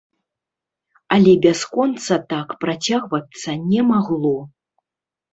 Але бясконца так працягвацца не магло.